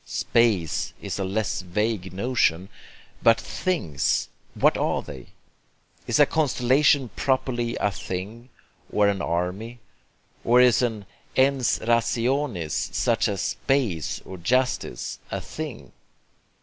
'Space' is a less vague notion; but 'things,' what are they? Is a constellation properly a thing? or an army? or is an ENS RATIONIS such as space or justice a thing?